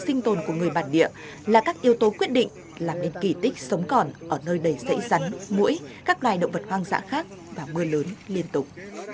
các kỹ năng sinh tồn của người bản địa là các yếu tố quyết định làm nên kỳ tích sống còn ở nơi đầy sấy rắn mũi các loài động vật hoang dã khác và mưa lớn liên tục